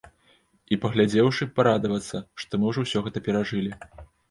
І, паглядзеўшы, парадавацца, што мы ўжо ўсё гэта перажылі.